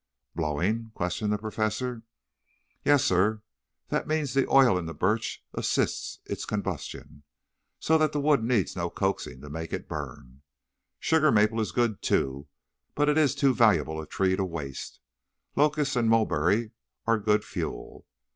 "Blowing?" questioned the Professor. "Yes, sir. That means that the oil in the birch assists its combustion, so that the wood needs no coaxing to make it burn. Sugar maple is good, too, but it is too valuable a tree to waste. Locust and mulberry are good fuel.